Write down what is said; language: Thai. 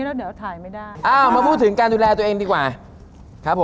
เรามีหลักฐานนะครับ